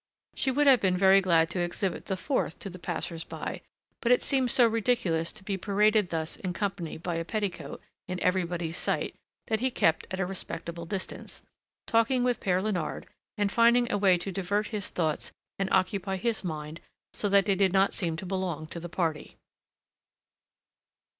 She would have been very glad to exhibit the fourth to the passers by; but it seemed so ridiculous to be paraded thus in company by a petticoat, in everybody's sight, that he kept at a respectful distance, talking with Père Léonard and finding a way to divert his thoughts and occupy his mind so that they did not seem to belong to the party.